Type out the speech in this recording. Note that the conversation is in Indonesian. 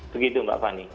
begitu mbak fani